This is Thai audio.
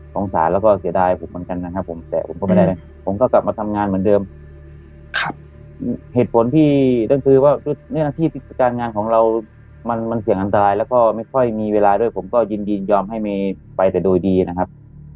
สารแล้วก็เสียดายผมเหมือนกันนะครับผมแต่ผมก็ไม่ได้อะไรผมก็กลับมาทำงานเหมือนเดิมครับเหตุผลที่นั่นคือว่าที่การงานของเรามันเสี่ยงอันตรายแล้วก็ไม่ค่อยมีเวลาด้วยผมก็ยินดียอมให้เมย์ไปแต่โดยดีนะครับ